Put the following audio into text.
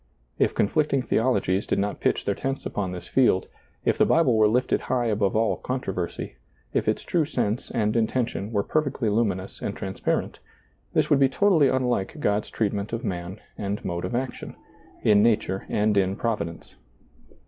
If conflicting theologies did not pitch their tents upon this field; if the Bible were lifted high above all controversy ; if its true sense and intention were perfectly luminous and transpar ent, this would be totally unlike God's treatment of man and mode of action — in nature and in Providence.